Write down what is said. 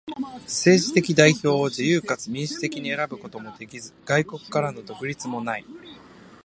政治的代表を自由かつ民主的に選ぶこともできず、外国からの独立もない。